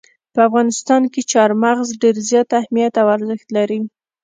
په افغانستان کې چار مغز ډېر زیات اهمیت او ارزښت لري.